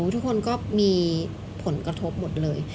ทุกคนก็มีผลกระทบหมดเลย